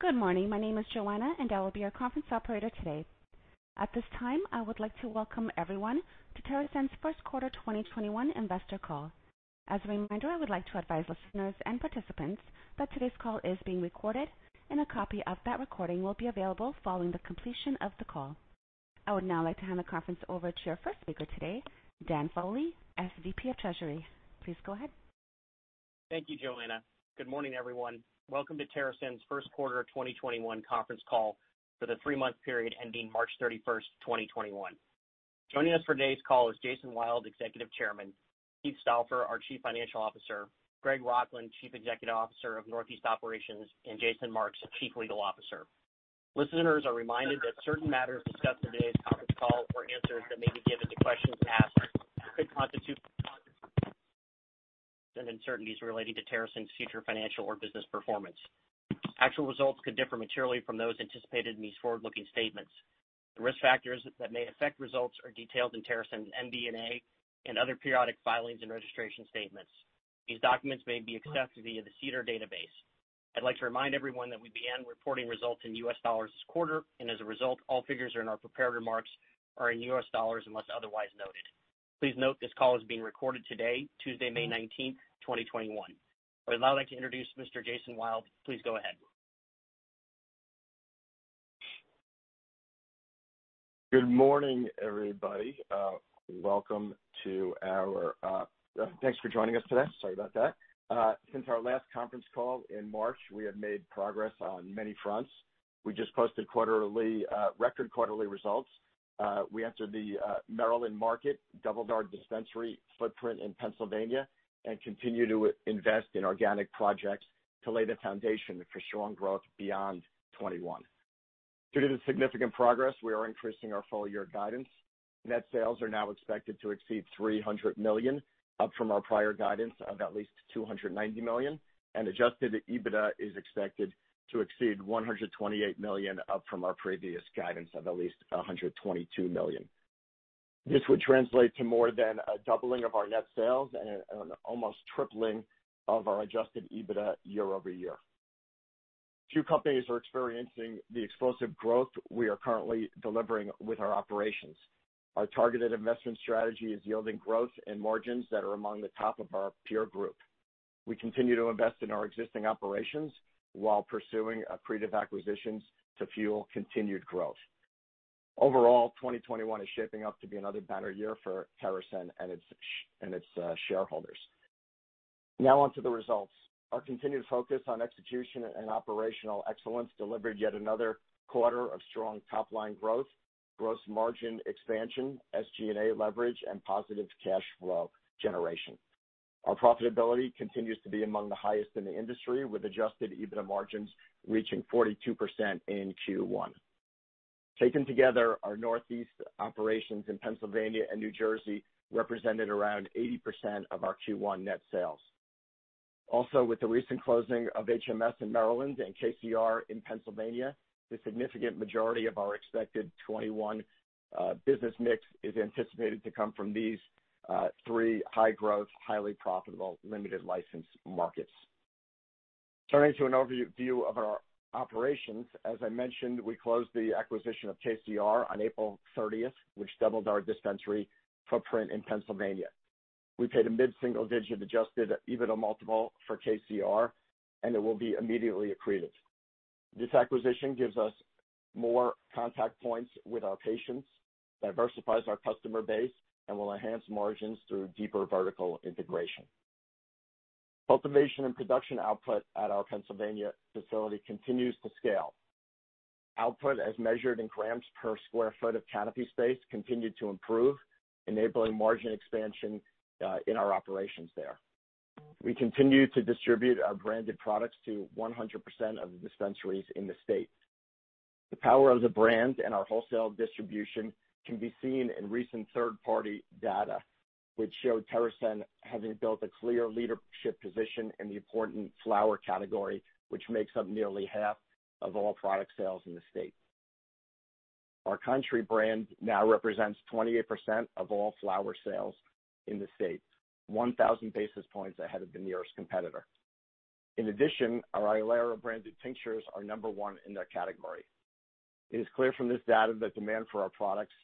Good morning. My name is Joanna, and I will be your Conference Operator today. At this time, I would like to welcome everyone to TerrAscend's First Quarter 2021 Investor Call. As a reminder, I would like to advise listeners and participants that today's call is being recorded, and a copy of that recording will be available following the completion of the call. I would now like to hand the conference over to your first speaker today, Dan Foley, SVP of Treasury. Please go ahead. Thank you, Joanna. Good morning, everyone. Welcome to TerrAscend's First Quarter 2021 Conference Call for the three-month period ending March 31st, 2021. Joining us for today's call is Jason Wild, Executive Chairman, Keith Stauffer, our Chief Financial Officer, Greg Rochlin, Chief Executive Officer of Northeast Operations, and Jason Marks, Chief Legal Officer. Listeners are reminded that certain matters discussed in this conference call or answers that may be given to questions asked could constitute uncertainties related to TerrAscend's future financial or business performance. Actual results could differ materially from those anticipated in these forward-looking statements. The risk factors that may affect results are detailed in TerrAscend's MD&A and other periodic filings and registration statements. These documents may be accessed via the SEDAR database. I'd like to remind everyone that we began reporting results in U.S. dollars this quarter, and as a result, all figures in our prepared remarks are in U.S. dollars unless otherwise noted. Please note this call is being recorded today, Tuesday, May 19th, 2021. I would now like to introduce Mr. Jason Wild. Please go ahead. Good morning, everybody. Welcome. Thanks for joining us today. Sorry about that. Since our last conference call in March, we have made progress on many fronts. We just posted record quarterly results. We entered the Maryland market, doubled our dispensary footprint in Pennsylvania, and continue to invest in organic projects to lay the foundation for strong growth beyond 2021. Due to the significant progress, we are increasing our full-year guidance. Net sales are now expected to exceed $300 million, up from our prior guidance of at least $290 million. Adjusted EBITDA is expected to exceed $128 million, up from our previous guidance of at least $122 million. This would translate to more than a doubling of our net sales and an almost tripling of our adjusted EBITDA year-over-year. Few companies are experiencing the explosive growth we are currently delivering with our operations. Our targeted investment strategy is yielding growth and margins that are among the top of our peer group. We continue to invest in our existing operations while pursuing accretive acquisitions to fuel continued growth. Overall, 2021 is shaping up to be another banner year for TerrAscend and its shareholders. Onto the results. Our continued focus on execution and operational excellence delivered yet another quarter of strong top-line growth, gross margin expansion, SG&A leverage, and positive cash flow generation. Our profitability continues to be among the highest in the industry, with adjusted EBITDA margins reaching 42% in Q1. Taken together, our Northeast operations in Pennsylvania and New Jersey represented around 80% of our Q1 net sales. With the recent closing of HMS in Maryland and KCR in Pennsylvania, the significant majority of our expected 2021 business mix is anticipated to come from these three high-growth, highly profitable limited license markets. Turning to an overview of our operations, as I mentioned, we closed the acquisition of KCR on April 30th, which doubled our dispensary footprint in Pennsylvania. We paid a mid-single digit adjusted EBITDA multiple for KCR, and it will be immediately accretive. This acquisition gives us more contact points with our patients, diversifies our customer base, and will enhance margins through deeper vertical integration. Cultivation and production output at our Pennsylvania facility continues to scale. Output as measured in grams per sq ft of canopy space continued to improve, enabling margin expansion in our operations there. We continue to distribute our branded products to 100% of the dispensaries in the state. The power of the brand and our wholesale distribution can be seen in recent third-party data, which showed TerrAscend having built a clear leadership position in the important flower category, which makes up nearly half of all product sales in the state. Our Kind Tree brand now represents 28% of all flower sales in the state, 1,000 basis points ahead of the nearest competitor. In addition, our Ilera-branded tinctures are number one in their category. It is clear from this data that demand for our products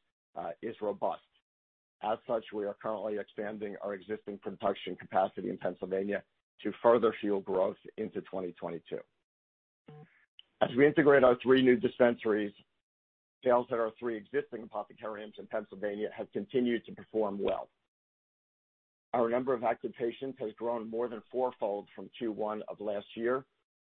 is robust. As such, we are currently expanding our existing production capacity in Pennsylvania to further fuel growth into 2022. As we integrate our three new dispensaries, sales at our three existing Apothecarium in Pennsylvania have continued to perform well. Our number of active patients has grown more than fourfold from Q1 of last year,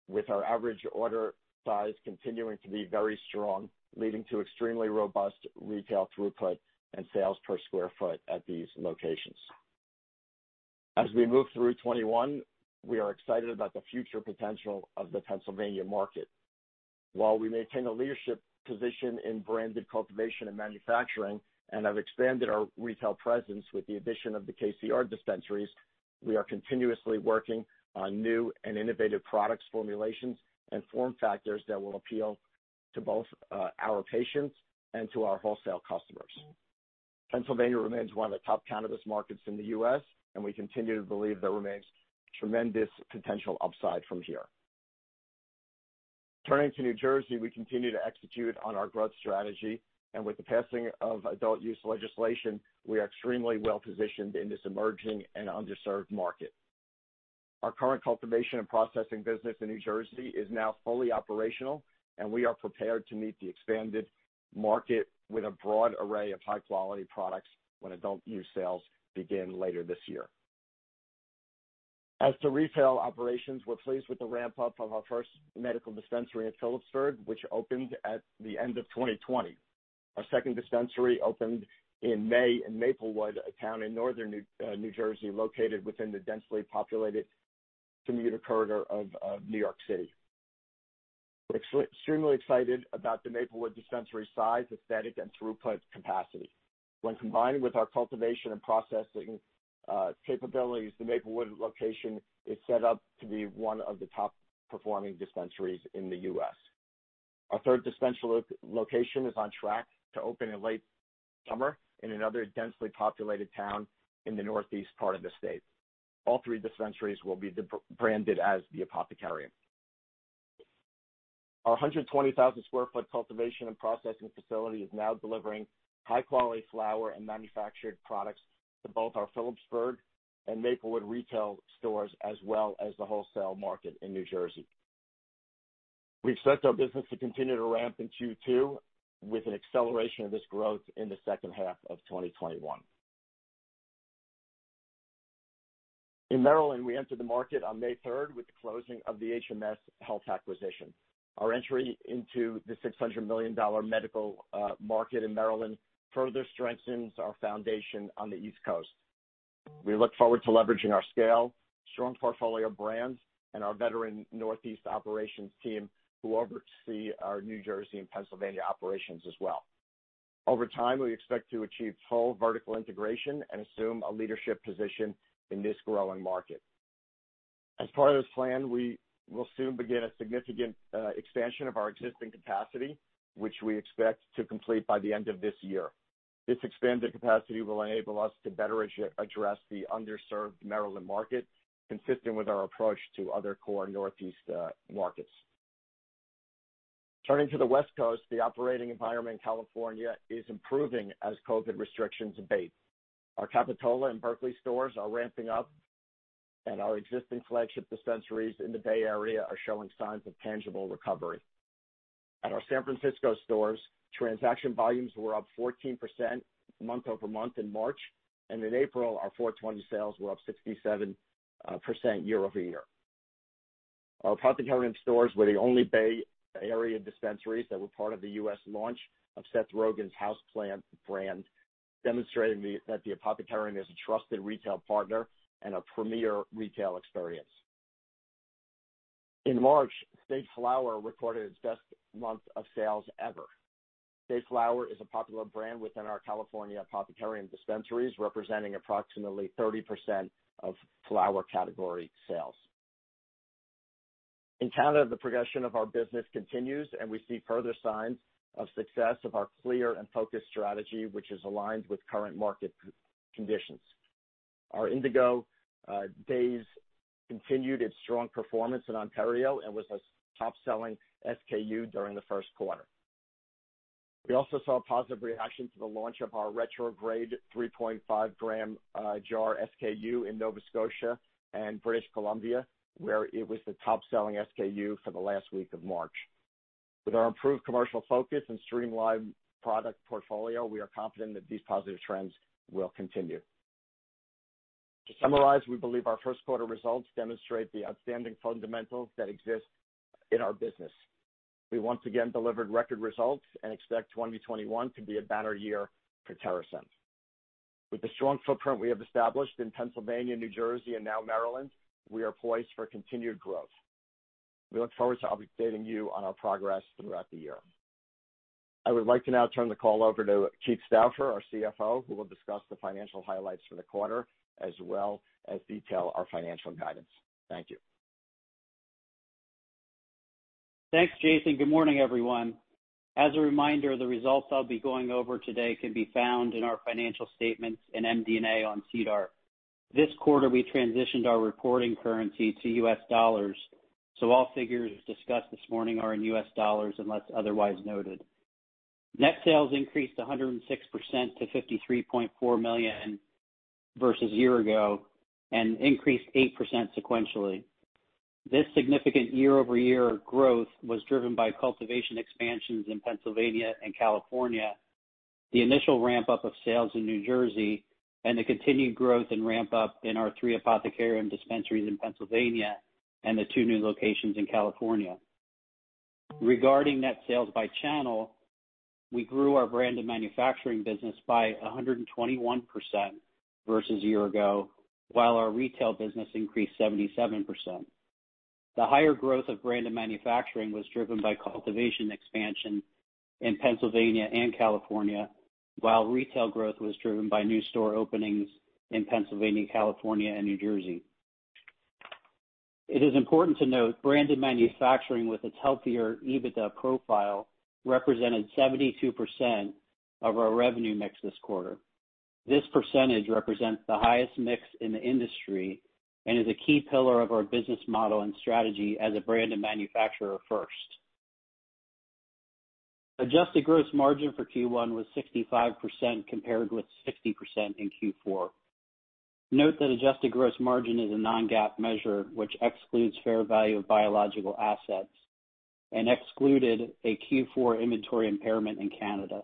with our average order size continuing to be very strong, leading to extremely robust retail throughput and sales per sq ft at these locations. As we move through 2021, we are excited about the future potential of the Pennsylvania market. While we maintain a leadership position in branded cultivation and manufacturing and have expanded our retail presence with the addition of the KCR dispensaries, we are continuously working on new and innovative product formulations and form factors that will appeal to both our patients and to our wholesale customers. Pennsylvania remains one of the top cannabis markets in the U.S., and we continue to believe there remains tremendous potential upside from here. Turning to New Jersey, we continue to execute on our growth strategy, and with the passing of adult-use legislation, we are extremely well-positioned in this emerging and underserved market. Our current cultivation and processing business in New Jersey is now fully operational, and we are prepared to meet the expanded market with a broad array of high-quality products when adult-use sales begin later this year. As to retail operations, we're pleased with the ramp-up of our first medical dispensary in Phillipsburg, which opened at the end of 2020. Our second dispensary opened in May in Maplewood, a town in northern New Jersey, located within the densely populated commuter corridor of New York City. We're extremely excited about the Maplewood dispensary size, aesthetic, and throughput capacity. When combined with our cultivation and processing capabilities, the Maplewood location is set up to be one of the top-performing dispensaries in the U.S. Our third dispensary location is on track to open in late summer in another densely populated town in the northeast part of the state. All three dispensaries will be branded as The Apothecarium. Our 120,000 sq ft cultivation and processing facility is now delivering high-quality flower and manufactured products to both our Phillipsburg and Maplewood retail stores, as well as the wholesale market in New Jersey. We expect our business to continue to ramp in Q2 with an acceleration of this growth in the second half of 2021. In Maryland, we entered the market on May 3rd with the closing of the HMS Health acquisition. Our entry into the $600 million medical market in Maryland further strengthens our foundation on the East Coast. We look forward to leveraging our scale, strong portfolio of brands, and our veteran Northeast operations team, who oversee our New Jersey and Pennsylvania operations as well. Over time, we expect to achieve total vertical integration and assume a leadership position in this growing market. As part of this plan, we will soon begin a significant expansion of our existing capacity, which we expect to complete by the end of this year. This expanded capacity will enable us to better address the under-served Maryland market, consistent with our approach to other core Northeast markets. Turning to the West Coast, the operating environment in California is improving as COVID restrictions abate. Our Capitola and Berkeley stores are ramping up, and our existing flagship dispensaries in the Bay Area are showing signs of tangible recovery. At our San Francisco stores, transaction volumes were up 14% month-over-month in March, and in April, our 420 sales were up 67% year-over-year. Our Apothecarium stores were the only Bay Area dispensaries that were part of the U.S. launch of Seth Rogen's Houseplant brand, demonstrating that The Apothecarium is a trusted retail partner and a premier retail experience. In March, State Flower recorded its best month of sales ever. State Flower is a popular brand within our California Apothecarium dispensaries, representing approximately 30% of flower category sales. In Canada, the progression of our business continues, and we see further signs of success of our clear and focused strategy, which is aligned with current market conditions. Our Indigo Daze continued its strong performance in Ontario and was a top-selling SKU during the first quarter. We also saw positive reaction to the launch of our Retrograde 3.5-gram jar SKU in Nova Scotia and British Columbia, where it was the top-selling SKU for the last week of March. With our improved commercial focus and streamlined product portfolio, we are confident that these positive trends will continue. To summarize, we believe our first quarter results demonstrate the outstanding fundamentals that exist in our business. We once again delivered record results and expect 2021 to be a banner year for TerrAscend. With the strong footprint we have established in Pennsylvania, New Jersey, and now Maryland, we are poised for continued growth. We look forward to updating you on our progress throughout the year. I would like to now turn the call over to Keith Stauffer, our CFO, who will discuss the financial highlights for the quarter as well as detail our financial guidance. Thank you. Thanks, Jason. Good morning, everyone. As a reminder, the results I'll be going over today can be found in our financial statements in MD&A on SEDAR. This quarter, we transitioned our reporting currency to U.S. dollars, so all figures discussed this morning are in U.S. dollars unless otherwise noted. Net sales increased 106% to $53.4 million versus a year ago and increased 8% sequentially. This significant year-over-year growth was driven by cultivation expansions in Pennsylvania and California, the initial ramp-up of sales in New Jersey, and the continued growth and ramp-up in our three Apothecarium dispensaries in Pennsylvania and the two new locations in California. Regarding net sales by channel, we grew our brand and manufacturing business by 121% versus a year ago, while our retail business increased 77%. The higher growth of brand and manufacturing was driven by cultivation expansion in Pennsylvania and California, while retail growth was driven by new store openings in Pennsylvania, California, and New Jersey. It is important to note branded manufacturing with a healthier EBITDA profile represented 72% of our revenue mix this quarter. This percentage represents the highest mix in the industry and is a key pillar of our business model and strategy as a branded manufacturer first. Adjusted gross margin for Q1 was 65% compared with 60% in Q4. Note that adjusted gross margin is a non-GAAP measure which excludes fair value of biological assets and excluded a Q4 inventory impairment in Canada.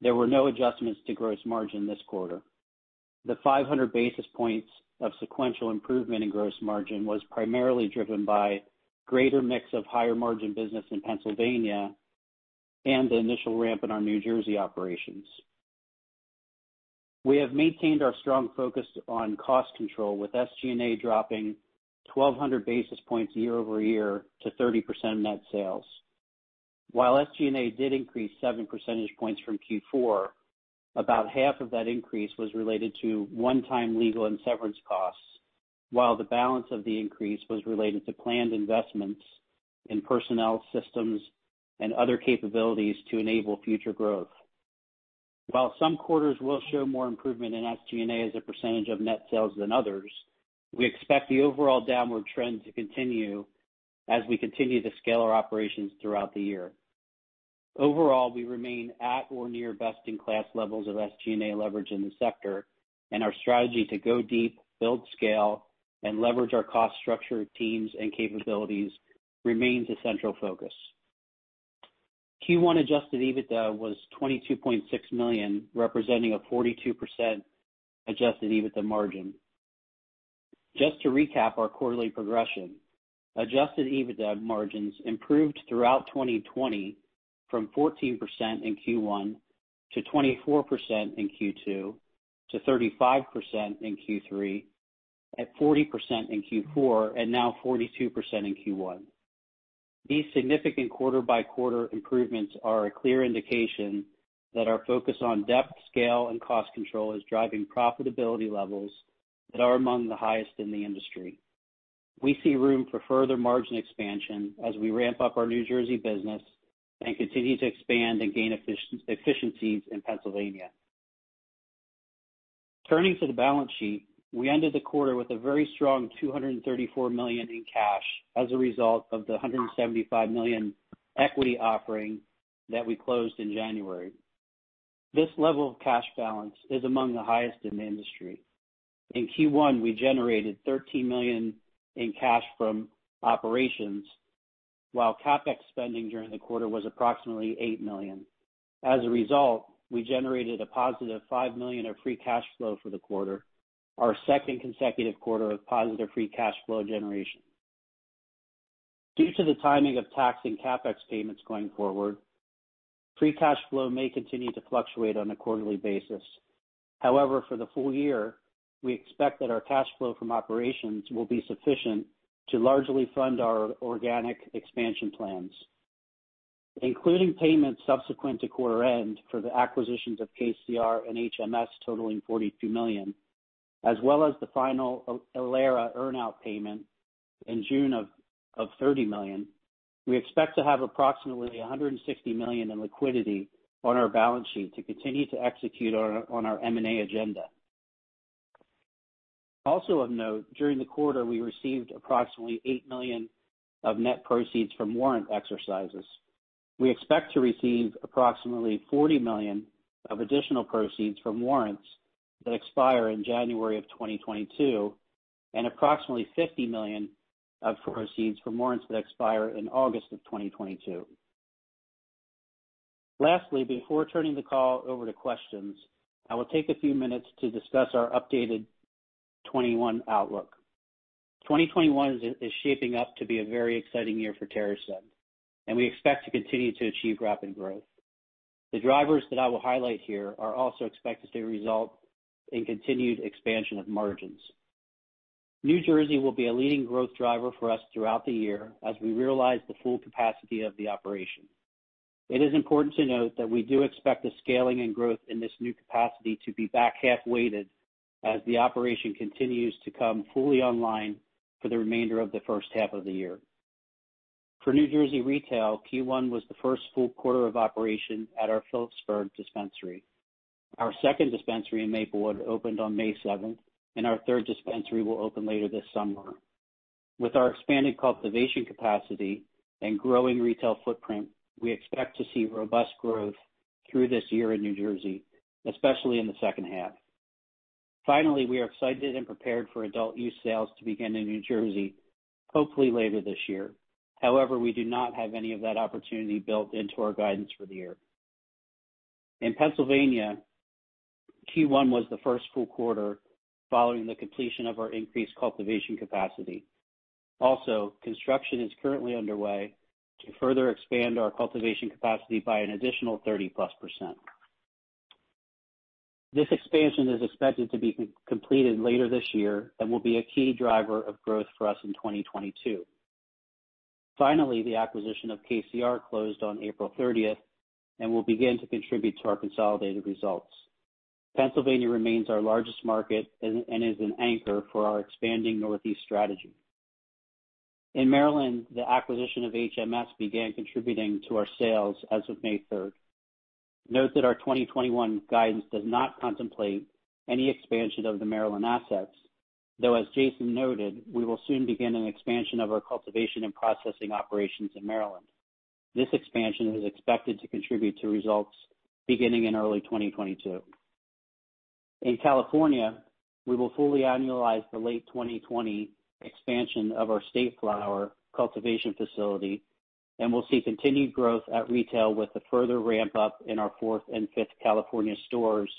There were no adjustments to gross margin this quarter. The 500 basis points of sequential improvement in gross margin was primarily driven by greater mix of higher margin business in Pennsylvania and the initial ramp in our New Jersey operations. We have maintained our strong focus on cost control, with SG&A dropping 1,200 basis points year-over-year to 30% net sales. While SG&A did increase seven percentage points from Q4, about half of that increase was related to one-time legal and severance costs, while the balance of the increase was related to planned investments in personnel systems and other capabilities to enable future growth. While some quarters will show more improvement in SG&A as a percentage of net sales than others, we expect the overall downward trend to continue as we continue to scale our operations throughout the year. Overall, we remain at or near best-in-class levels of SG&A leverage in the sector, and our strategy to go deep, build scale, and leverage our cost structure, teams, and capabilities remains a central focus. Q1 adjusted EBITDA was $22.6 million, representing a 42% adjusted EBITDA margin. Just to recap our quarterly progression, adjusted EBITDA margins improved throughout 2020 from 14% in Q1, to 24% in Q2, to 35% in Q3, at 40% in Q4, and now 42% in Q1. These significant quarter-by-quarter improvements are a clear indication that our focus on depth, scale, and cost control is driving profitability levels that are among the highest in the industry. We see room for further margin expansion as we ramp up our New Jersey business and continue to expand and gain efficiencies in Pennsylvania. Turning to the balance sheet, we ended the quarter with a very strong $234 million in cash as a result of the $175 million equity offering that we closed in January. This level of cash balance is among the highest in the industry. In Q1, we generated $13 million in cash from operations, while CapEx spending during the quarter was approximately $8 million. As a result, we generated a positive $5 million of free cash flow for the quarter, our second consecutive quarter of positive free cash flow generation. Due to the timing of tax and CapEx payments going forward, free cash flow may continue to fluctuate on a quarterly basis. However, for the full year, we expect that our cash flow from operations will be sufficient to largely fund our organic expansion plans. Including payments subsequent to quarter end for the acquisitions of KCR and HMS totaling $42 million, as well as the final Ilera earn-out payment in June of $30 million, we expect to have approximately $160 million in liquidity on our balance sheet to continue to execute on our M&A agenda. Also of note, during the quarter, we received approximately $8 million of net proceeds from warrant exercises. We expect to receive approximately $40 million of additional proceeds from warrants that expire in January of 2022, and approximately $50 million of proceeds from warrants that expire in August of 2022. Before turning the call over to questions, I will take a few minutes to discuss our updated 2021 outlook. 2021 is shaping up to be a very exciting year for TerrAscend, and we expect to continue to achieve rapid growth. The drivers that I will highlight here are also expected to result in continued expansion of margins. New Jersey will be a leading growth driver for us throughout the year as we realize the full capacity of the operation. It is important to note that we do expect the scaling and growth in this new capacity to be back-half weighted as the operation continues to come fully online for the remainder of the first half of the year. For New Jersey retail, Q1 was the first full quarter of operation at our Phillipsburg dispensary. Our second dispensary in Maplewood opened on May 7th, and our third dispensary will open later this summer. With our expanding cultivation capacity and growing retail footprint, we expect to see robust growth through this year in New Jersey, especially in the second half. Finally, we are excited and prepared for adult use sales to begin in New Jersey, hopefully later this year. However, we do not have any of that opportunity built into our guidance for the year. In Pennsylvania, Q1 was the first full quarter following the completion of our increased cultivation capacity. Construction is currently underway to further expand our cultivation capacity by an additional 30%+. This expansion is expected to be completed later this year and will be a key driver of growth for us in 2022. The acquisition of KCR closed on April 30th and will begin to contribute to our consolidated results. Pennsylvania remains our largest market and is an anchor for our expanding Northeast strategy. In Maryland, the acquisition of HMS began contributing to our sales as of May 3rd. Note that our 2021 guidance does not contemplate any expansion of the Maryland assets, though, as Jason noted, we will soon begin an expansion of our cultivation and processing operations in Maryland. This expansion is expected to contribute to results beginning in early 2022. In California, we will fully annualize the late 2020 expansion of our State Flower cultivation facility, and we'll see continued growth at retail with the further ramp-up in our fourth and fifth California stores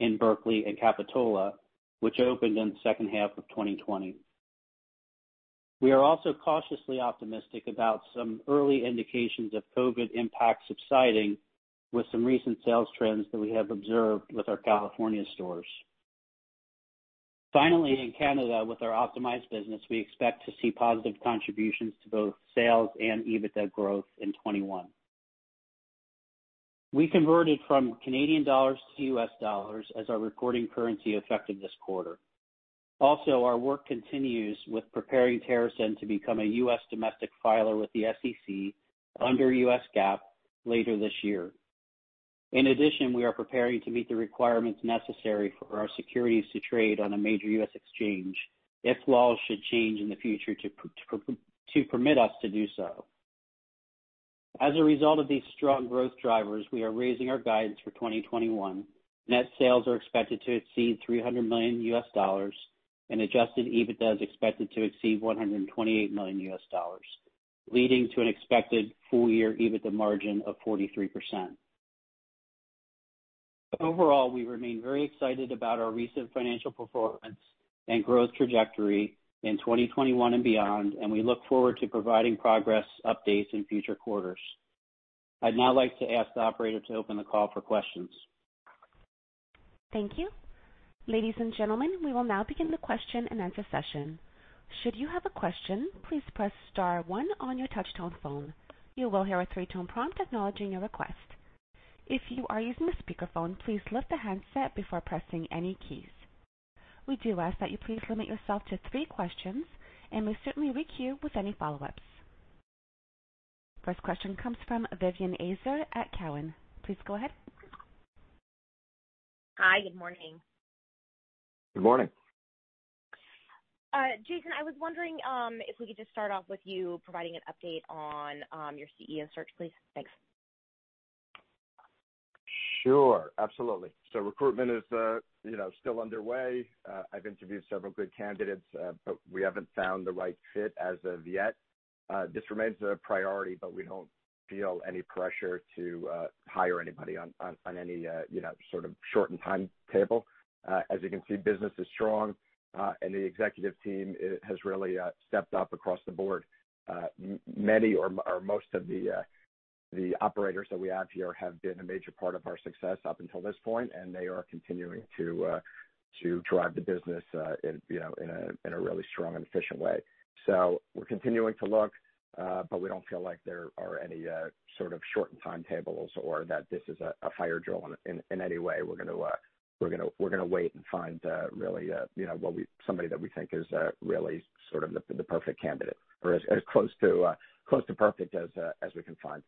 in Berkeley and Capitola, which opened in the second half of 2020. We are also cautiously optimistic about some early indications of COVID impact subsiding with some recent sales trends that we have observed with our California stores. Finally, in Canada, with our optimized business, we expect to see positive contributions to both sales and adjusted EBITDA growth in 2021. We converted from Canadian dollars to U.S. dollars as our recording currency effective this quarter. Also, our work continues with preparing TerrAscend to become a U.S. domestic filer with the SEC under US GAAP later this year. In addition, we are preparing to meet the requirements necessary for our securities to trade on a major U.S. exchange if laws should change in the future to permit us to do so. As a result of these strong growth drivers, we are raising our guidance for 2021. Net sales are expected to exceed $300 million, and adjusted EBITDA is expected to exceed $128 million, leading to an expected full year EBITDA margin of 43%. Overall, we remain very excited about our recent financial performance and growth trajectory in 2021 and beyond, and we look forward to providing progress updates in future quarters. I'd now like to ask the Operator to open the call for questions. Thank you. Ladies and gentlemen, we will now begin the question and answer session. We do ask that you please limit yourself to three questions, and we'll certainly link you with any follow-ups. First question comes from Vivien Azer at Cowen. Please go ahead. Hi, good morning. Good morning. Jason, I was wondering if we could just start off with you providing an update on your CEO search, please. Thanks. Sure. Absolutely. Recruitment is still underway. I've interviewed several good candidates, but we haven't found the right fit as of yet. This remains a priority, but we don't feel any pressure to hire anybody on any shortened timetable. As you can see, business is strong, and the executive team has really stepped up across the board. Many or most of the operators that we have here have been a major part of our success up until this point, and they are continuing to drive the business in a really strong and efficient way. We're continuing to look, but we don't feel like there are any sort of shortened timetables or that this is a hire drawn in any way. We're going to wait and find somebody that we think is really the perfect candidate, or as close to perfect as we can find.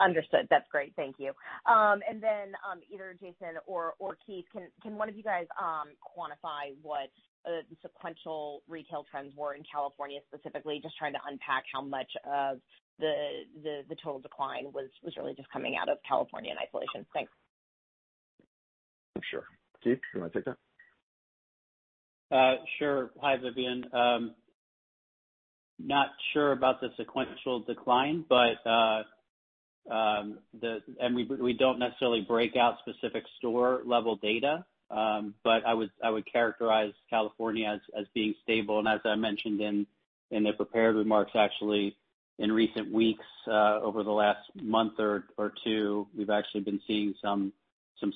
Understood. That's great. Thank you. Either Jason or Keith, can one of you guys quantify what the sequential retail trends were in California specifically, just trying to unpack how much of the total decline was really just coming out of California in isolation? Thanks. Sure. Keith, do you want to take that? Sure. Hi, Vivien. Not sure about the sequential decline, and we don't necessarily break out specific store-level data, but I would characterize California as being stable. As I mentioned in the prepared remarks, actually in recent weeks, over the last month or two, we've actually been seeing some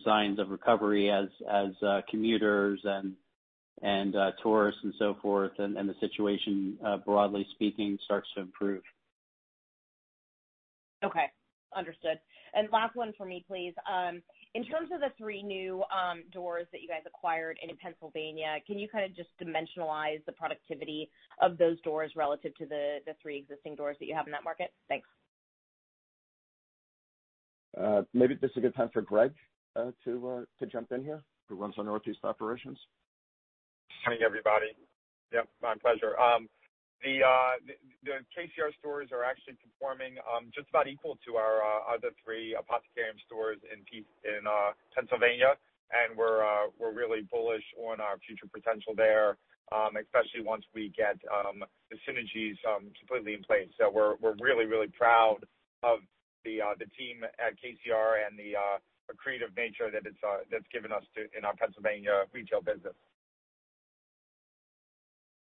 signs of recovery as commuters and tourists and so forth, and the situation, broadly speaking, starts to improve. Okay. Understood. Last one for me, please. In terms of the three new doors that you guys acquired in Pennsylvania, can you kind of just dimensionalize the productivity of those doors relative to the three existing doors that you have in that market? Thanks. Maybe this is a good time for Greg to jump in here, who runs our Northeast Operations. Hi, everybody. Yep, my pleasure. The KCR stores are actually performing just about equal to our other three Apothecarium stores in Pennsylvania, and we're really bullish on our future potential there, especially once we get the synergies completely in place. We're really, really proud of the team at KCR and the accretive nature that it's given us in our Pennsylvania retail business.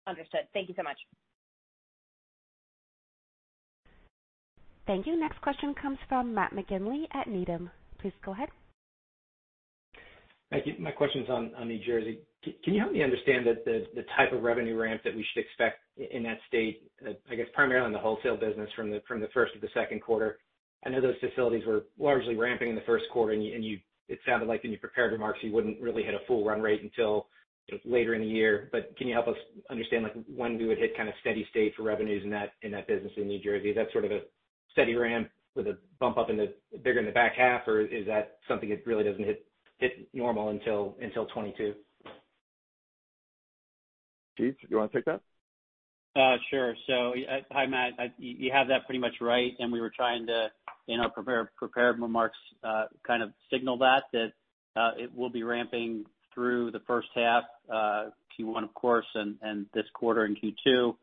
Understood. Thank you so much. Thank you. Next question comes from Matt McGinley at Needham. Please go ahead. My question's on New Jersey. Can you help me understand the type of revenue ramps that we should expect in that state, I guess primarily on the wholesale business from the first to the second quarter? I know those facilities were largely ramping in the first quarter, and it sounded like in your prepared remarks, you wouldn't really hit a full run rate until later in the year. Can you help us understand when we would hit steady state for revenues in that business in New Jersey? That sort of a steady ramp with a bump up bigger in the back half, or is that something that really doesn't hit normal until 2022? Keith, do you want to take that? Sure. Hi, Matt, you have that pretty much right. We were trying to, in our prepared remarks, kind of signal that it will be ramping through the first half, Q1, of course, and this quarter in Q2.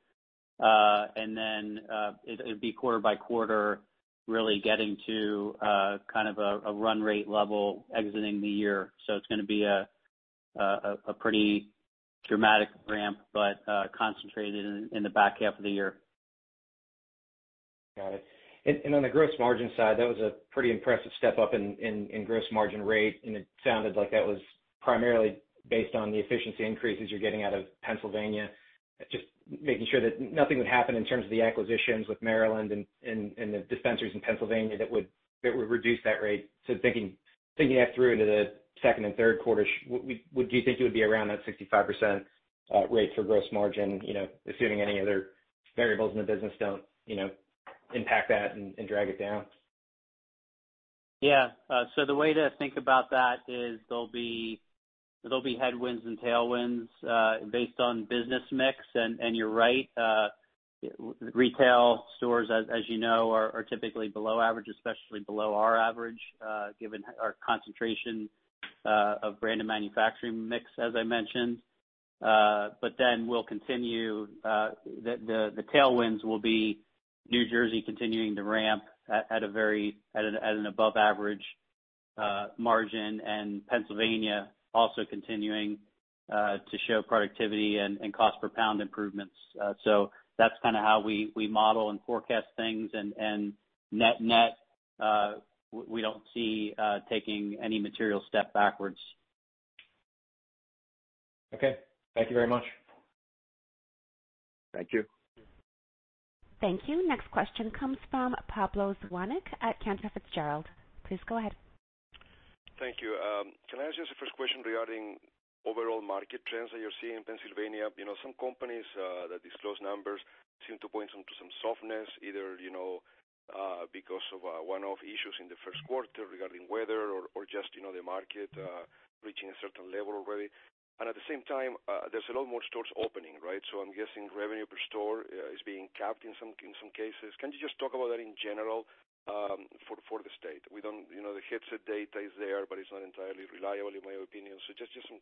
It'd be quarter by quarter, really getting to a run rate level exiting the year. It's going to be a pretty dramatic ramp, but concentrated in the back half of the year. Got it. On the gross margin side, that was a pretty impressive step up in gross margin rate, and it sounded like that was primarily based on the efficiency increases you're getting out of Pennsylvania. Just making sure that nothing would happen in terms of the acquisitions with Maryland and the dispensaries in Pennsylvania that would reduce that rate. Thinking through to the second and third quarter, do you think it would be around that 65% rate for gross margin, assuming any other variables in the business don't impact that and drag it down? The way to think about that is there'll be headwinds and tailwinds based on business mix. You're right, retail stores, as you know, are typically below average, especially below our average, given our concentration of brand and manufacturing mix, as I mentioned. The tailwinds will be New Jersey continuing to ramp at an above average margin, and Pennsylvania also continuing to show productivity and cost per pound improvements. That's how we model and forecast things. Net, we don't see taking any material step backwards. Okay. Thank you very much. Thank you. Thank you. Next question comes from Pablo Zuanic at Cantor Fitzgerald. Please go ahead. Thank you. Can I ask just the first question regarding overall market trends that you're seeing in Pennsylvania? Some companies that disclose numbers seem to point to some softness either because of one-off issues in the first quarter regarding weather or just the market reaching a certain level already. At the same time, there's a lot more stores opening, right? I'm guessing revenue per store is being capped in some cases. Can you just talk about that in general for the state? The Headset data is there, but it's not entirely reliable in my opinion. Just some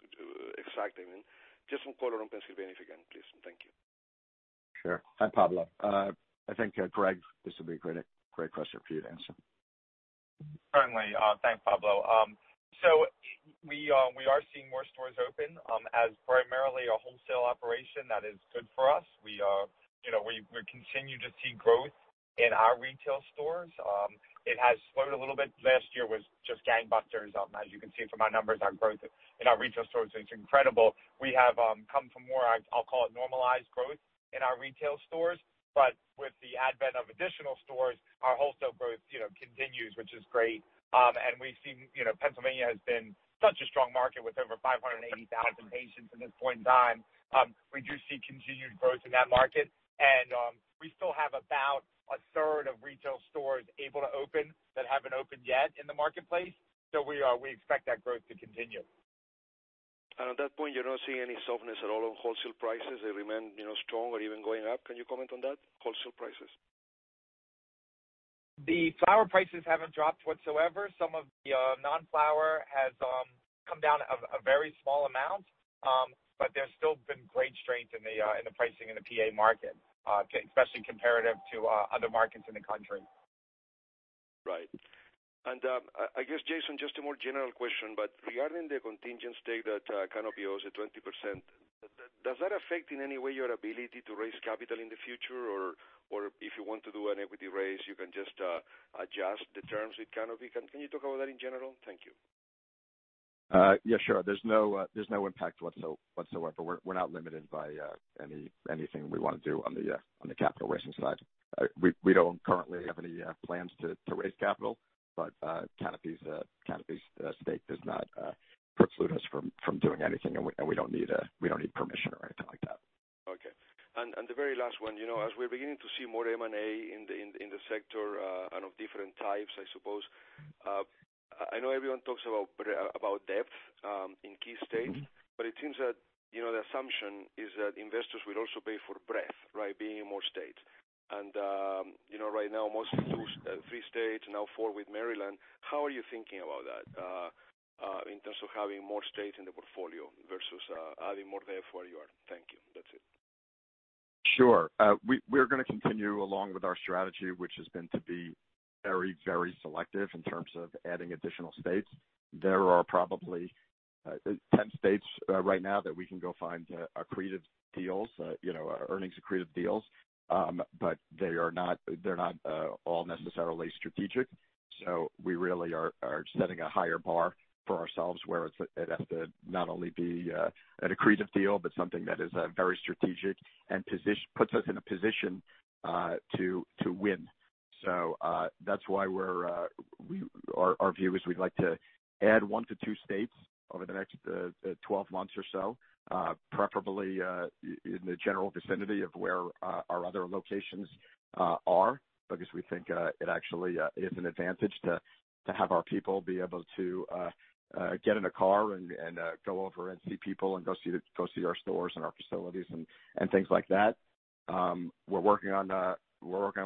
color on Pennsylvania, can please. Thank you. Sure. Hi, Pablo. I think Greg, this would be a great question for you to answer. Certainly. Thanks, Pablo. We are seeing more stores open as primarily a wholesale operation that is good for us. We continue to see growth in our retail stores. It has slowed a little bit. Last year was just gangbusters. As you can see from our numbers, our growth in our retail stores is incredible. We have come from more, I'll call it normalized growth in our retail stores. With the advent of additional stores, our wholesale growth continues, which is great. We've seen Pennsylvania has been such a strong market with over 580,000 patients in this point in time. We do see continued growth in that market, and we still have about a third of retail stores able to open that haven't opened yet in the marketplace. We expect that growth to continue. At that point, you're not seeing any softness at all in wholesale prices. They remain strong or even going up. Can you comment on that? Wholesale prices. The flower prices haven't dropped whatsoever. Some of the non-flower has come down a very small amount. There's still been great strength in the pricing in the P.A. market, especially comparative to other markets in the country. Right. I guess, Jason, just a more general question, but regarding the contingency that Canopy owes the 20%, does that affect in any way your ability to raise capital in the future? If you want to do an equity raise, you can just adjust the terms with Canopy. Can you talk about that in general? Thank you. Yeah, sure. There's no impact whatsoever. We're not limited by anything we want to do on the capital raising side. We don't currently have any plans to raise capital, but Canopy's stake does not preclude us from doing anything, and we don't need permission or anything like that. Okay. The very last one. As we're beginning to see more M&A in the sector and of different types, I suppose, I know everyone talks about depth in key states, but it seems that the assumption is that investors will also pay for breadth, right? Being in more states. Right now, most three states, now four with Maryland. How are you thinking about that in terms of having more states in the portfolio versus adding more depth where you are? Thank you. That's it. Sure. We're going to continue along with our strategy, which has been to be very selective in terms of adding additional states. There are probably 10 states right now that we can go find accretive deals, earnings accretive deals, but they're not all necessarily strategic. We really are setting a higher bar for ourselves where it has to not only be an accretive deal, but something that is very strategic and puts us in a position to win. That's why our view is we'd like to add one to two states over the next 12 months or so. Preferably in the general vicinity of where our other locations are, because we think it actually is an advantage to have our people be able to get in a car and go over and see people and go see our stores and our facilities and things like that. We're working on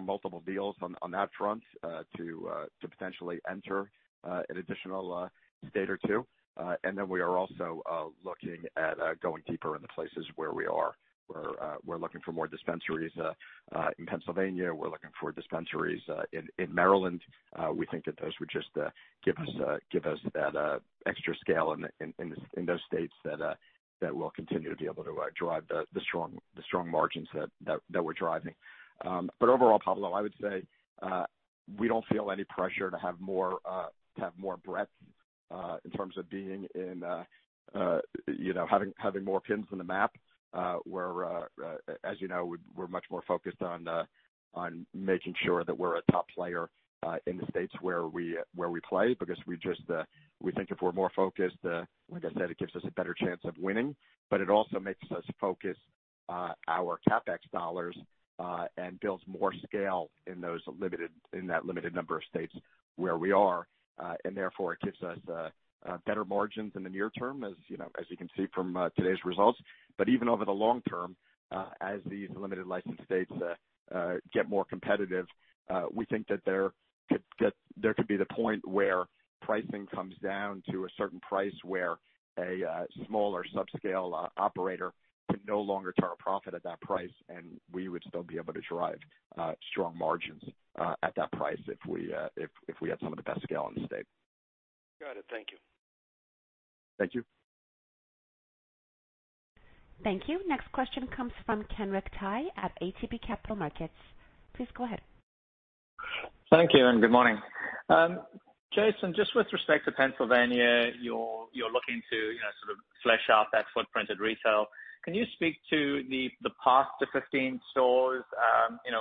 multiple deals on that front to potentially enter an additional state or two. We are also looking at going deeper in the places where we are. We're looking for more dispensaries in Pennsylvania. We're looking for dispensaries in Maryland. We think that those would just give us that extra scale in those states that will continue to be able to drive the strong margins that we're driving. Overall, Pablo, I would say, we don't feel any pressure to have more breadth in terms of having more pins in the map. Where, as you know, we're much more focused on making sure that we're a top player in the states where we play because we think if we're more focused, like I said, it gives us a better chance of winning. It also makes us focus our CapEx dollars, and builds more scale in that limited number of states where we are. Therefore, it gives us better margins in the near term, as you can see from today's results. Even over the long term, as these limited license states get more competitive, we think that there could be the point where pricing comes down to a certain price where a smaller subscale operator could no longer turn a profit at that price, and we would still be able to drive strong margins at that price if we have some of that scale in the state. Got it. Thank you. Thank you. Thank you. Next question comes from Kenric Tyghe at ATB Capital Markets. Please go ahead. Thank you. Good morning. Jason, just with respect to Pennsylvania, you're looking to sort of flesh out that footprint in retail. Can you speak to the path to 15 stores,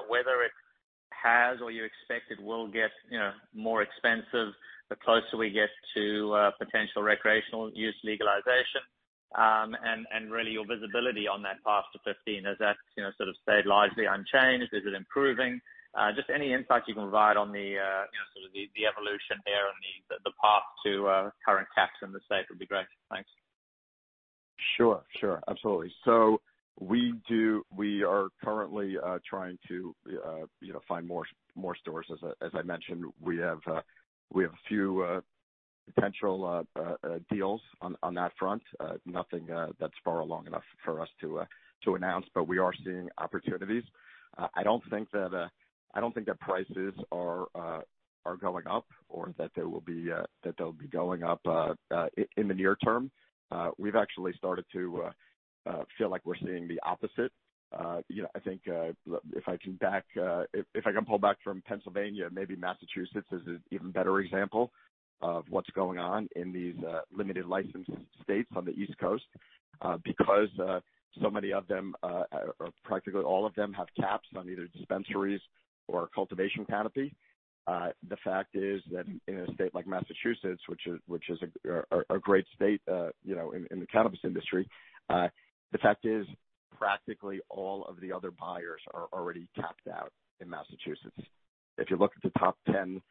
whether it has or you expect it will get more expensive the closer we get to potential recreational use legalization, and really your visibility on that path to 15. Has that stabilized the unchanged? Is it improving? Just any insight you can provide on the evolution there and the path to current capture in the state would be great. Thanks. Sure. Absolutely. We are currently trying to find more stores. As I mentioned, we have a few potential deals on that front. Nothing that's far along enough for us to announce, but we are seeing opportunities. I don't think that prices are going up or that they'll be going up in the near term. We've actually started to feel like we're seeing the opposite. I think if I can pull back from Pennsylvania, maybe Massachusetts is an even better example of what's going on in these limited license states on the East Coast. Because so many of them, practically all of them, have caps on either dispensaries or cultivation canopy. The fact is that in a state like Massachusetts, which is a great state in the cannabis industry, the fact is practically all of the other buyers are already capped out in Massachusetts. If you look at the top 10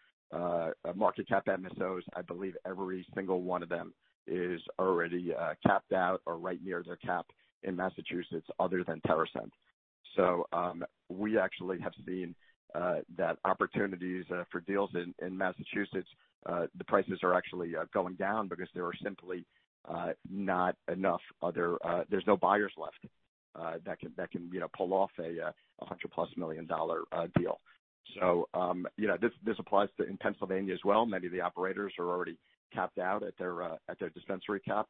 market cap MSOs, I believe every single one of them is already capped out or right near their cap in Massachusetts other than TerrAscend. We actually have seen that opportunities for deals in Massachusetts, the prices are actually going down because there are simply not enough There's no buyers left that can pull off a $100+ million deal. This applies in Pennsylvania as well. Many of the operators are already capped out at their dispensary cap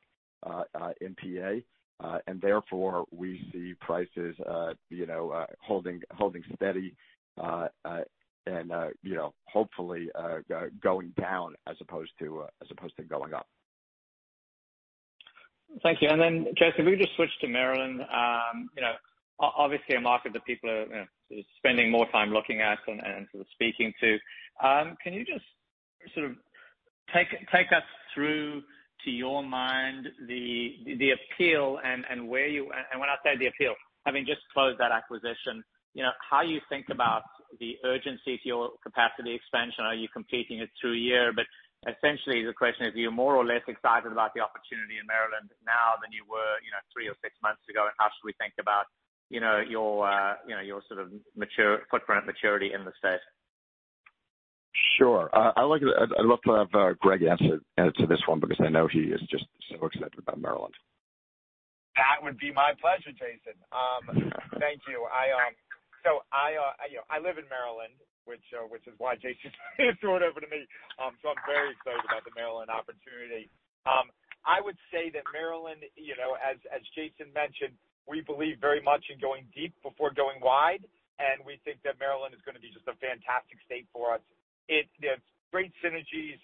in PA. Therefore, we see prices holding steady, and hopefully going down as opposed to going up. Thank you. Jason, if we just switch to Maryland. Obviously a market that people are spending more time looking at and speaking to. Can you just sort of take us through, to your mind, the appeal. When I say the appeal, having just closed that acquisition, how you think about the urgency to your capacity expansion. Are you competing at [two year? Essentially the question is, are you more or less excited about the opportunity in Maryland now than you were three or six months ago? How should we think about your footprint maturity in the state? Sure. I'll let Greg answer this one because I know he is just so excited about Maryland. That would be my pleasure, Jason. Thank you. I live in Maryland, which is why Jason threw it over to me, so I'm very excited about the Maryland opportunity. I would say that Maryland, as Jason mentioned, we believe very much in going deep before going wide, and we think that Maryland is going to be just a fantastic state for us. It has great synergies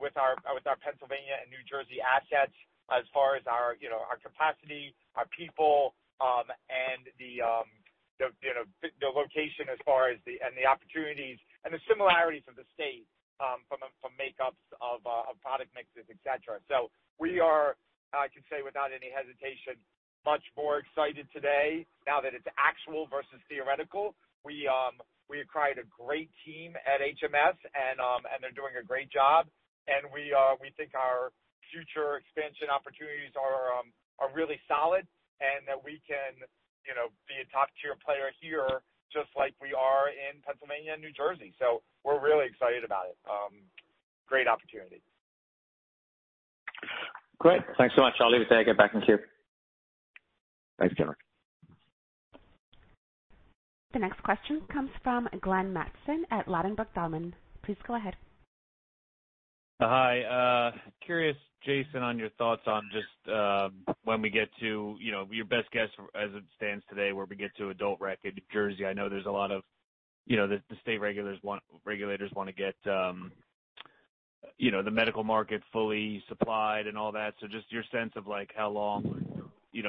with our Pennsylvania and New Jersey assets as far as our capacity, our people, and the location as far as the opportunities and the similarities of the state from makeups of product mixes, et cetera. We are, I can say without any hesitation, much more excited today now that it's actual versus theoretical. We acquired a great team at HMS, and they're doing a great job, and we think our future expansion opportunities are really solid and that we can be a top-tier player here just like we are in Pennsylvania and New Jersey. We're really excited about it. Great opportunity. Great. Thanks so much. I'll leave that back in queue. Thank you. The next question comes from Glenn Mattson at Ladenburg Thalmann. Please go ahead. Hi. Curious, Jason, on your thoughts on just when we get to your best guess as it stands today, when we get to adult-rec in New Jersey, I know the state regulators want to get the medical market fully supplied and all that. Just your sense of how long to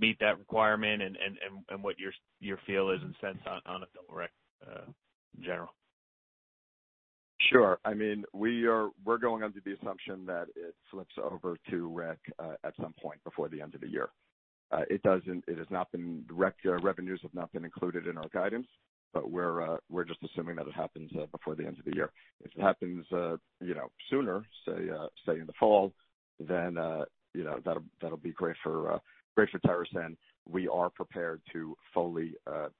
meet that requirement and what your feel is and sense on adult-rec in general. Sure. We're going under the assumption that it flips over to rec at some point before the end of the year. It has not been direct, our revenues have not been included in our guidance, but we're just assuming that it happens before the end of the year. If it happens sooner, say, in the fall, then that'll be great for TerrAscend. We are prepared to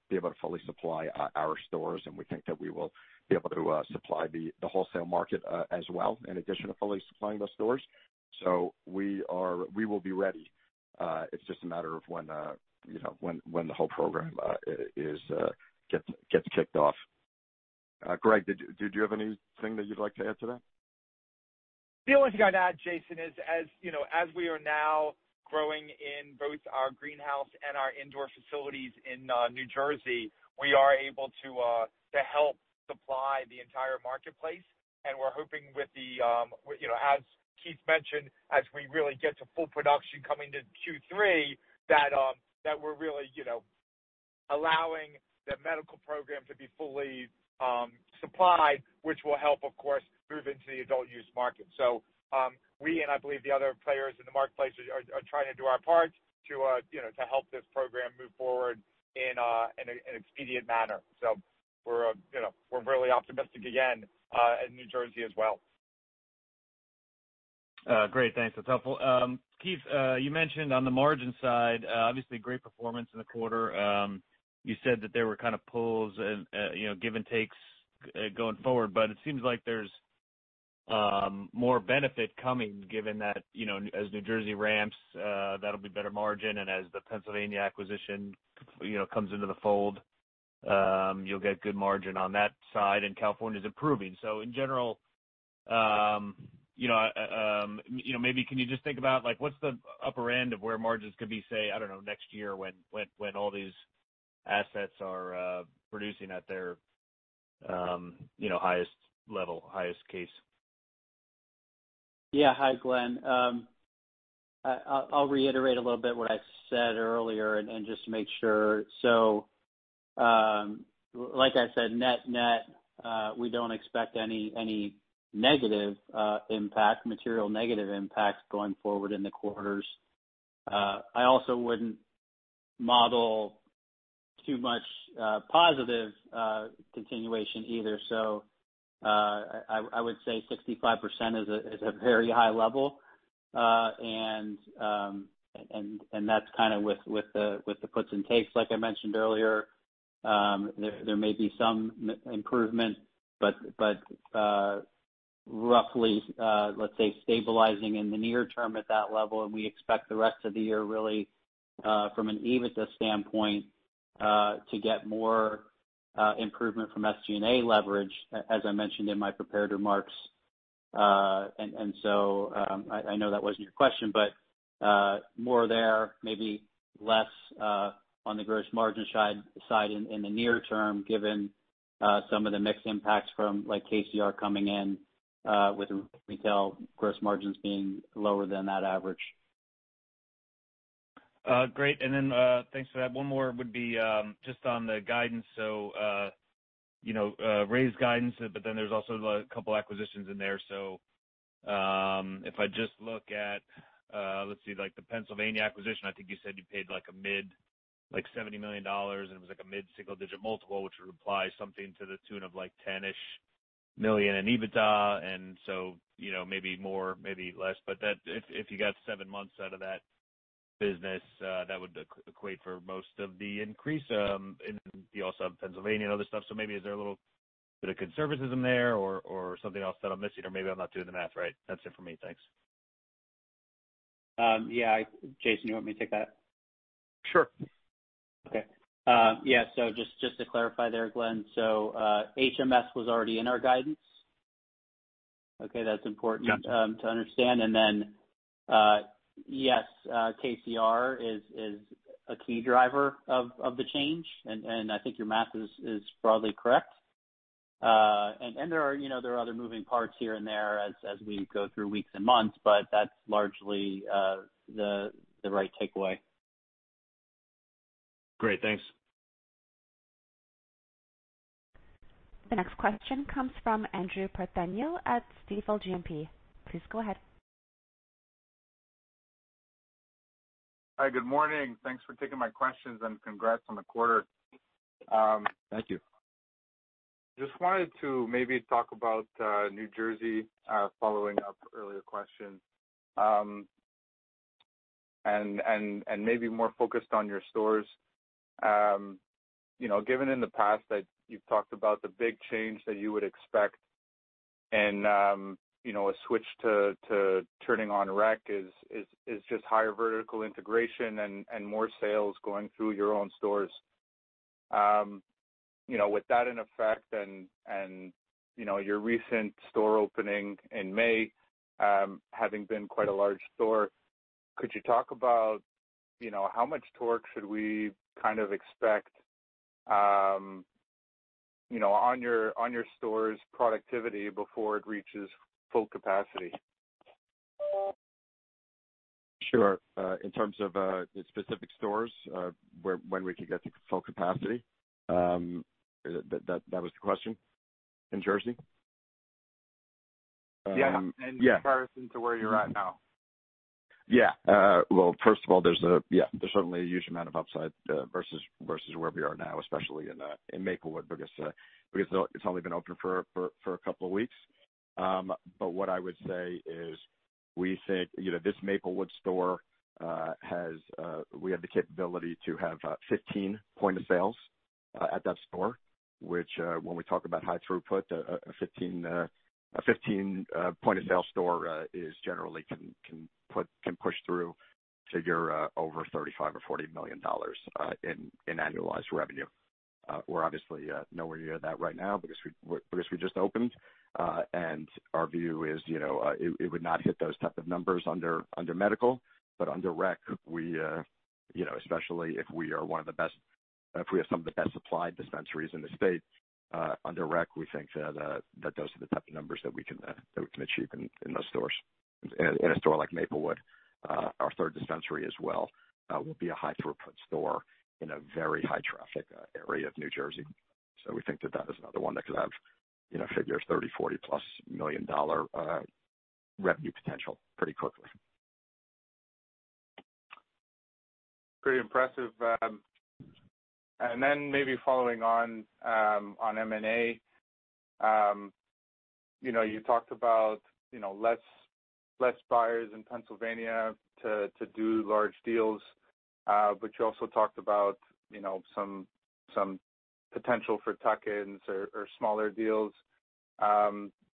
be able to fully supply our stores, and we think that we will be able to supply the wholesale market as well, in addition to fully supplying those stores. We will be ready. It's just a matter of when the whole program gets kicked off. Greg, did you have anything that you'd like to add to that? The only thing I'd add, Jason, is as we are now growing in both our greenhouse and our indoor facilities in New Jersey, we are able to help supply the entire marketplace. As Keith mentioned, as we really get to full production coming into Q3, that we're really allowing the medical program to be fully supplied, which will help, of course, move into the adult use market. We, and I believe the other players in the marketplace, are trying to do our part to help this program move forward in an expedient manner. We're really optimistic again in New Jersey as well. Great. Thanks. That's helpful. Keith, you mentioned on the margin side, obviously great performance in the quarter. You said that there were pulls and give and takes going forward, it seems like there's more benefit coming given that as New Jersey ramps, that'll be better margin, and as the Pennsylvania acquisition comes into the fold, you'll get good margin on that side, and California's improving. In general, maybe can you just think about what's the upper end of where margins could be, say, I don't know, next year when all these assets are producing at their highest level, highest case? Yeah. Hi, Glenn. Like I said, net net, we don't expect any negative impact, material negative impact going forward in the quarters. I also wouldn't model too much positive continuation either. I would say 65% is a very high level, and that's with the puts and takes, like I mentioned earlier. There may be some improvement, but roughly, let's say, stabilizing in the near term at that level, and we expect the rest of the year really from an EBITDA standpoint, to get more improvement from SG&A leverage, as I mentioned in my prepared remarks. I know that wasn't your question, but more there, maybe less on the gross margin side in the near term, given some of the mixed impacts from KCR coming in with retail gross margins being lower than that average. Great. Thanks for that. One more would be just on the guidance. Raised guidance, there's also a couple acquisitions in there. If I just look at, let's see, the Pennsylvania acquisition, I think you said you paid $70 million. It was a mid-single-digit multiple, which would apply something to the tune of $10-ish million in EBITDA, maybe more, maybe less. If you got seven months out of that business, that would equate for most of the increase. You also have Pennsylvania and other stuff, maybe is there a little bit of conservatism there or something else that I'm missing, or maybe I'm not doing the math right. That's it for me. Thanks. Yeah. Jason, you want me to take that? Sure. Okay. Yeah, just to clarify there, Glenn. HMS was already in our guidance. That's important... Yeah... To understand. Yes, KCR is a key driver of the change, and I think your math is broadly correct. There are other moving parts here and there as we go through weeks and months, but that's largely the right takeaway. Great. Thanks. The next question comes from Andrew Partheniou at Stifel GMP. Please go ahead. Hi, good morning. Thanks for taking my questions, and congrats on the quarter. Thank you. Just wanted to maybe talk about New Jersey, following up earlier questions. Maybe more focused on your stores. Given in the past that you've talked about the big change that you would expect in a switch to turning on rec is just higher vertical integration and more sales going through your own stores. With that in effect and your recent store opening in May, having been quite a large store, could you talk about how much torque should we expect on your stores' productivity before it reaches full capacity? Sure. In terms of the specific stores, when we could get to full capacity? That was the question? In Jersey? Yeah. Yeah. In comparison to where you're at now. Well, first of all, there's certainly a huge amount of upside versus where we are now, especially in Maplewood, because it's only been open for a couple of weeks. What I would say is, this Maplewood store, we have the capability to have 15 point of sales at that store, which, when we talk about high throughput, a 15 point of sale store generally can push through figure over $35 million or $40 million in annualized revenue. We're obviously nowhere near that right now because we just opened. Our view is, it would not hit those type of numbers under medical, but under rec, especially if we have some of the best supplied dispensaries in the state, under rec, we think that those are the type of numbers that we can achieve in those stores. In a store like Maplewood, our third dispensary as well, will be a high throughput store in a very high traffic area of New Jersey. We think that that is another one that could have figure $30, $40-plus million revenue potential pretty quickly. Pretty impressive. Then maybe following on M&A. You talked about less buyers in Pennsylvania to do large deals, but you also talked about some potential for tuck-ins or smaller deals.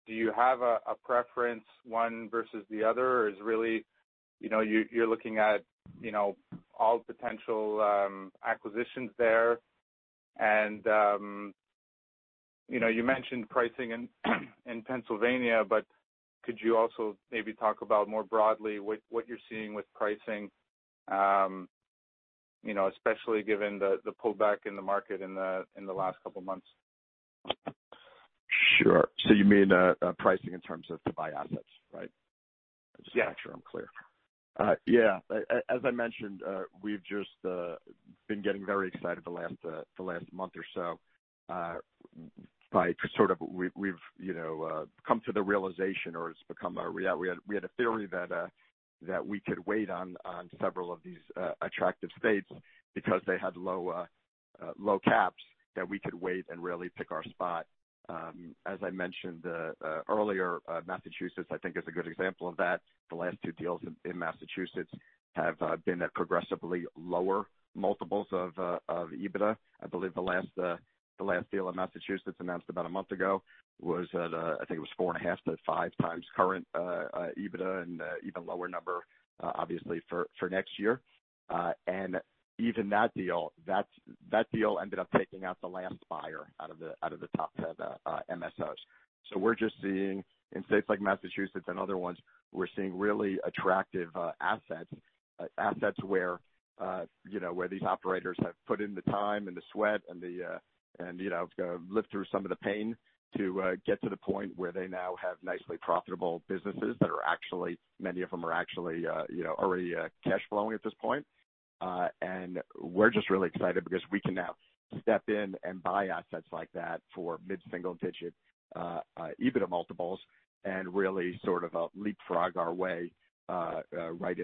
Do you have a preference, one versus the other? Is it really you're looking at all potential acquisitions there? You mentioned pricing in Pennsylvania, but could you also maybe talk about more broadly what you're seeing with pricing, especially given the pullback in the market in the last couple of months? Sure. You mean pricing in terms of to buy assets, right? Yeah. Just to make sure I'm clear. As I mentioned, we've just been getting very excited the last month or so by sort of we've come to the realization or it's become a reality. We had a theory that we could wait on several of these attractive states because they had low caps, that we could wait and really pick our spot. As I mentioned earlier, Massachusetts, I think, is a good example of that. The last two deals in Massachusetts have been at progressively lower multiples of EBITDA. I believe the last deal in Massachusetts announced about a month ago was at, I think it was 4.5-5 times current EBITDA, and even lower number, obviously, for next year. Even that deal ended up taking out the last buyer out of the top MSOs. We're just seeing in states like Massachusetts and other ones, we're seeing really attractive assets. Assets where these operators have put in the time, and the sweat, and lived through some of the pain to get to the point where they now have nicely profitable businesses that are actually, many of them are actually already cash flowing at this point. We're just really excited because we can now step in and buy assets like that for mid-single digit EBITDA multiples and really sort of leapfrog our way right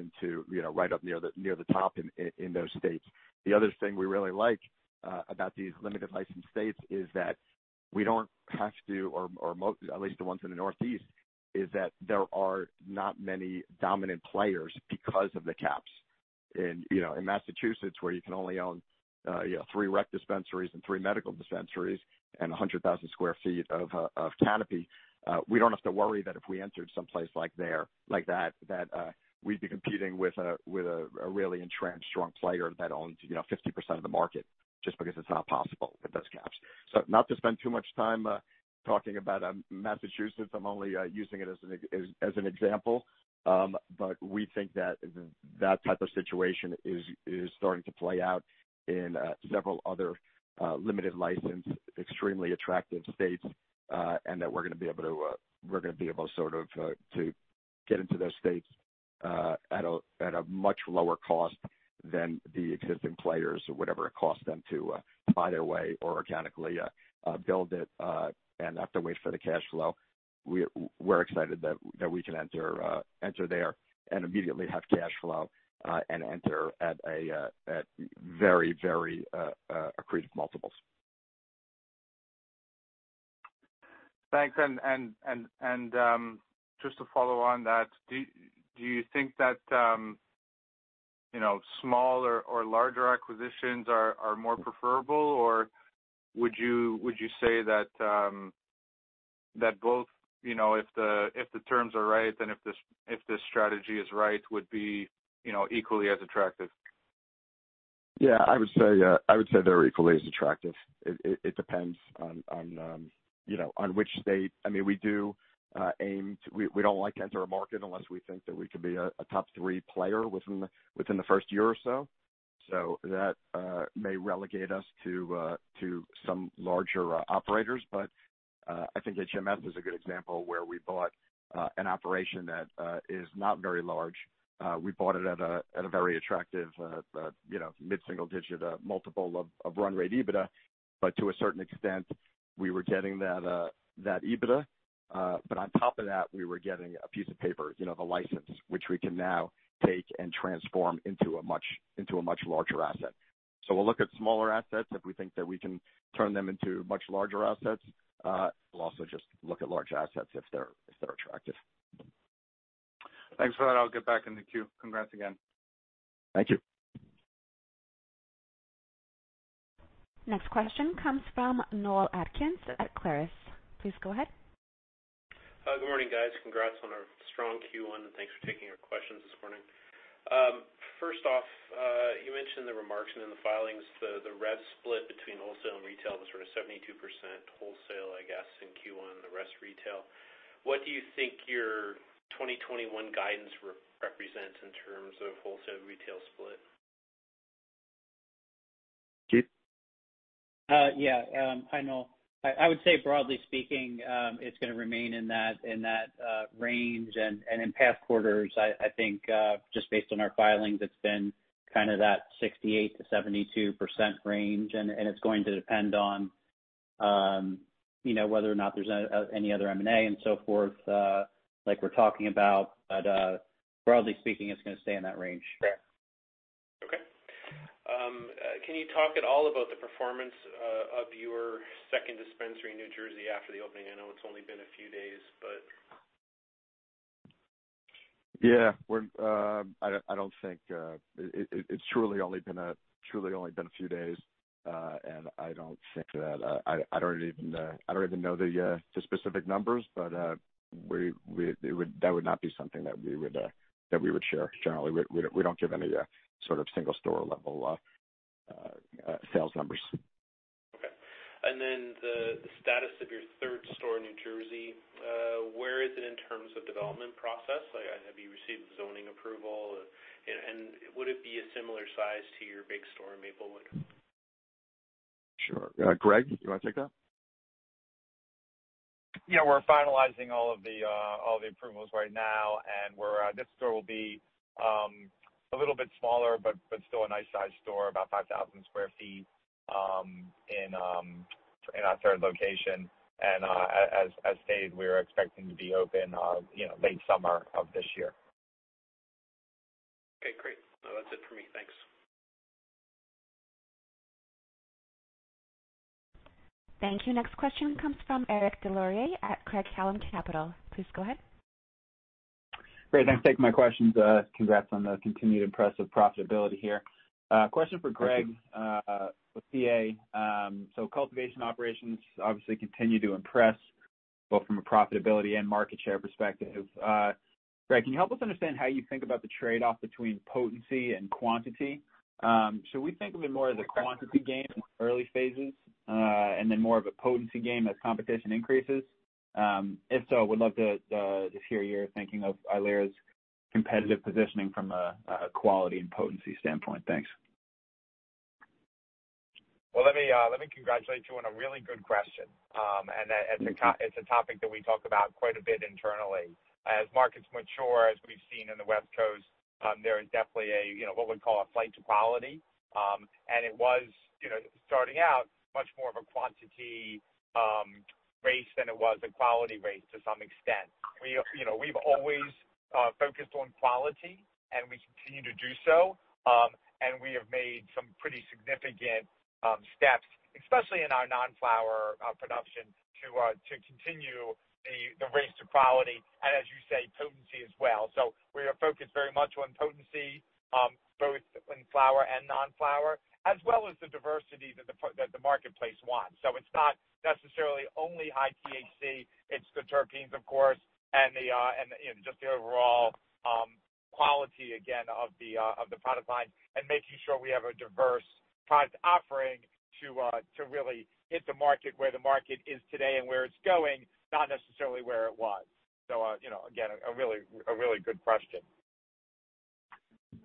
up near the top in those states. The other thing we really like about these limited license states is that we don't have to, or at least the ones in the Northeast, is that there are not many dominant players because of the caps. In Massachusetts, where you can only own three rec dispensaries and three medical dispensaries and 100,000 sq ft of canopy, we don't have to worry that if we entered someplace like that we'd be competing with a really entrenched, strong player that owns 50% of the market just because it's not possible with those caps. Not to spend too much time talking about Massachusetts, I'm only using it as an example. We think that type of situation is starting to play out in several other limited license, extremely attractive states, and that we're going to be able to get into those states at a much lower cost than the existing players, whatever it costs them to buy away or organically build it and have to wait for the cash flow. We're excited that we can enter there and immediately have cash flow and enter at very, very accretive multiples. Thanks. Just to follow on that, do you think that smaller or larger acquisitions are more preferable, or would you say that both, if the terms are right and if the strategy is right, would be equally as attractive? Yeah, I would say they're equally as attractive. It depends on which state. We don't like to enter a market unless we think that we can be a top three player within the first year or so. That may relegate us to some larger operators. I think HMS is a good example where we bought an operation that is not very large. We bought it at a very attractive mid-single digit multiple of run rate EBITDA. To a certain extent, we were getting that EBITDA. On top of that, we were getting a piece of paper, the license, which we can now take and transform into a much larger asset. We'll look at smaller assets if we think that we can turn them into much larger assets. We'll also just look at larger assets if they're attractive. Thanks for that. I'll get back in the queue. Congrats again. Thank you. Next question comes from Noel Atkinson at Clarus. Please go ahead. Good morning, guys. Congrats on a strong Q1, and thanks for taking our questions this morning. First off, you mentioned the remarks in the filings, the rev split between wholesale and retail was sort of 72% wholesale, I guess, in Q1, the rest retail. What do you think your 2021 guidance represents in terms of wholesale retail split? Keith? Yeah. Hi, Noel. I would say broadly speaking, it's going to remain in that range and in past quarters, I think just based on our filings, it's been kind of that 68%-72% range, and it's going to depend on whether or not there's any other M&A and so forth like we're talking about. Broadly speaking, it's going to stay in that range. Fair. Okay. Can you talk at all about the performance of your second dispensary in New Jersey after the opening? I know it's only been a few days. Yeah. It's truly only been a few days. I don't even know the specific numbers, but that would not be something that we would share. Generally, we don't give any sort of single store level sales numbers. Okay. The status of your third store in New Jersey, where is it in terms of development process? Have you received the zoning approval? Would it be a similar size to your big store in Maplewood? Sure. Greg, do you want to take that? Yeah, we're finalizing all of the approvals right now, and this store will be a little bit smaller, but still a nice size store, about 5,000 sq ft in our third location. As stated, we are expecting to be open late summer of this year. Okay, great. That's it for me, thanks. Thank you. Next question comes from Eric Des Lauriers at Craig-Hallum Capital. Please go ahead. Great. Thanks for taking my questions. Congrats on the continued impressive profitability here. Question for Greg with PA. Cultivation operations obviously continue to impress both from a profitability and market share perspective. Greg, can you help us understand how you think about the trade-off between potency and quantity? Should we think of it more as a quantity game in the early phases and then more of a potency game as competition increases? If so, would love to just hear your thinking of Ilera's competitive positioning from a quality and potency standpoint. Thanks. Well, let me congratulate you on a really good question. It's a topic that we talk about quite a bit internally. As markets mature, as we've seen in the West Coast, there is definitely what we call a flight to quality. It was starting out much more of a quantity race than it was a quality race to some extent. We've always focused on quality, and we continue to do so. Made some pretty significant steps, especially in our non-flower production, to continue the race to quality and, as you say, potency as well. We are focused very much on potency, both in flower and non-flower, as well as the diversity that the marketplace wants. It’s not necessarily only high THC, it’s the terpenes, of course, and just the overall quality, again, of the product line and making sure we have a diverse product offering to really hit the market where the market is today and where it’s going, not necessarily where it was. Again, a really good question.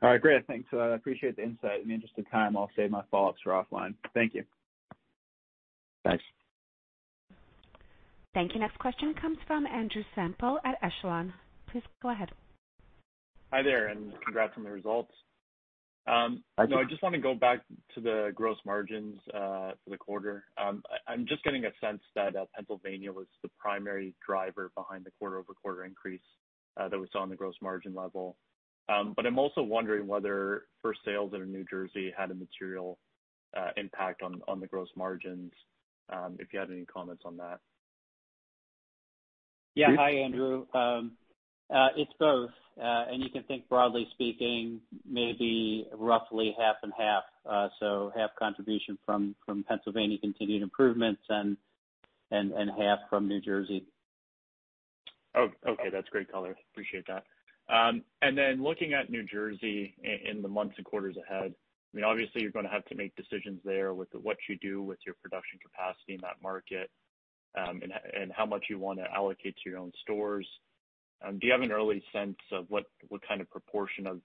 All right. Great. Thanks. I appreciate the insight. In the interest of time, I’ll save my follow-ups for offline. Thank you. Thanks. Thank you. Next question comes from Andrew Semple at Echelon. Please go ahead. Hi there, and congrats on the results. Thank you. I just want to go back to the gross margins for the quarter. I'm just getting a sense that Pennsylvania was the primary driver behind the quarter-over-quarter increase that we saw on the gross margin level. I'm also wondering whether first sales that are in New Jersey had a material impact on the gross margins. If you had any comments on that. Yeah. Hi, Andrew. It’s both. You can think, broadly speaking, maybe roughly half and half. Half contribution from Pennsylvania continued improvements and half from New Jersey. Oh, okay. That’s great color. Appreciate that. Looking at New Jersey in the months and quarters ahead, obviously you’re going to have to make decisions there with what you do with your production capacity in that market, and how much you want to allocate to your own stores. Do you have an early sense of what kind of proportion of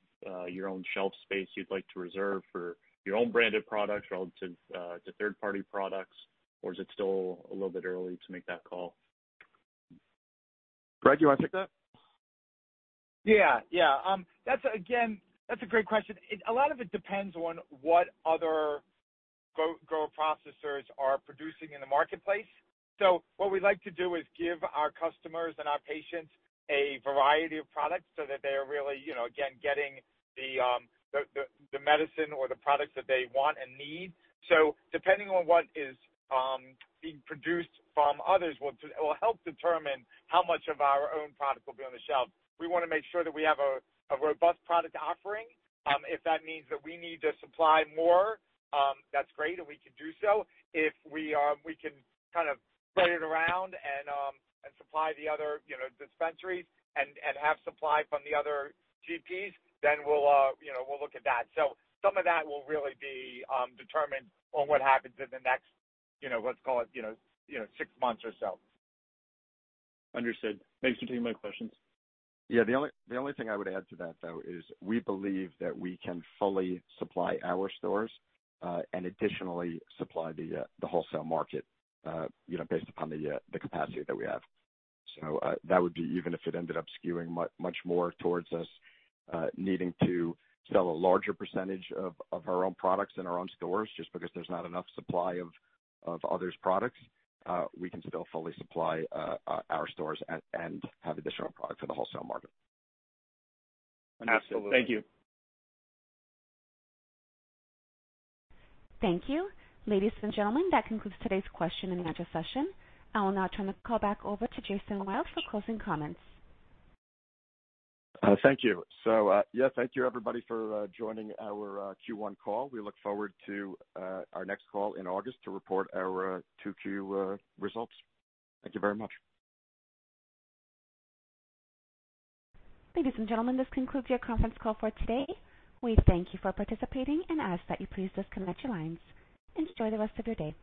your own shelf space you’d like to reserve for your own branded products relative to third-party products? Or is it still a little bit early to make that call? Greg, you want to take that? Yeah. Again, that’s a great question. A lot of it depends on what other Grower-Processors are producing in the marketplace. What we like to do is give our customers and our patients a variety of products so that they are really, again, getting the medicine or the products that they want and need. Depending on what is being produced from others will help determine how much of our own product will be on the shelf. We want to make sure that we have a robust product offering. If that means that we need to supply more, that’s great, and we can do so. If we can kind of play it around and supply the other dispensaries and have supply from the other GPs, we’ll look at that. Some of that will really be determined on what happens in the next. Yeah, let’s call it, six months or so. Understood. Thanks for taking my questions. The only thing I would add to that, though, is we believe that we can fully supply our stores, and additionally supply the wholesale market based upon the capacity that we have. That would be even if it ended up skewing much more towards us needing to sell a larger percentage of our own products in our own stores just because there’s not enough supply of others' products. We can still fully supply our stores and have additional product for the wholesale market. Absolutely. Thank you. Thank you. Ladies and gentlemen, that concludes today’s question and answer session. I will now turn the call back over to Jason Wild for closing comments. Thank you. Thank you, everybody, for joining our Q1 call. We look forward to our next call in August to report our Q2 results. Thank you very much. Ladies and gentlemen, this concludes your conference call for today. We thank you for participating and ask that you please disconnect your lines. Enjoy the rest of your day.